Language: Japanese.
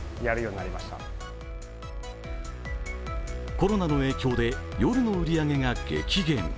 コロナの影響で夜の売り上げが激減。